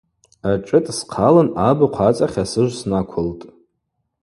Ашӏытӏ схъалын абыхъв ацӏахь асыжв снаквылтӏ.